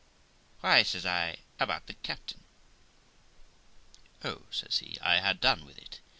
'Why', says I, about the captain.' 'Oh', says he, 'I had done with it.